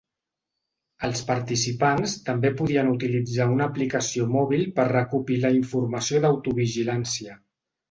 Els participants també podien utilitzar una aplicació mòbil per recopilar informació d'autovigilància.